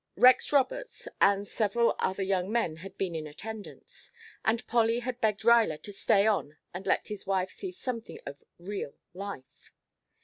Rex Roberts and several other young men had been in attendance, and Polly had begged Ruyler to stay on and let his wife see something of "real life."